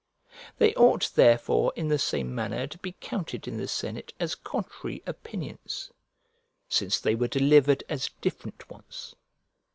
They ought therefore in the same manner to be counted in the senate as contrary opinions, since they were delivered as different ones.